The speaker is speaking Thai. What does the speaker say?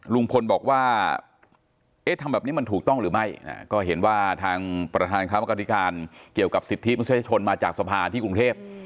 ลุงพลบอกว่าเอ๊ะทำแบบนี้มันถูกต้องหรือไม่ก็เห็นว่าทางประธานกรรมธิการเกี่ยวกับสิทธิมนุษยชนมาจากสภาที่กรุงเทพ